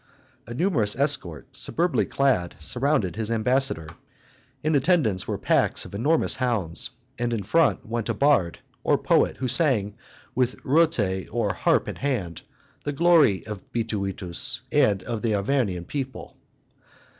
A numerous escort, superbly clad, surrounded his ambassador; in attendance were packs of enormous hounds; and in front; went a bard, or poet, who sang, with rotte or harp in hand, the glory of Bituitus and of the Arvernian people.